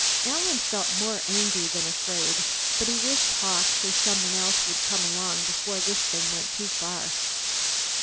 Alan felt more angry than afraid, but he wished Hawkes or someone else would come along before this thing went too far.